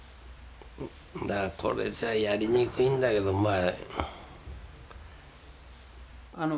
だからこれじゃやりにくいんだけどまあ。